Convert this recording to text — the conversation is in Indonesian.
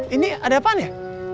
ini ada apaan ya